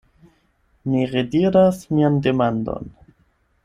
Mi rediras mian demandon.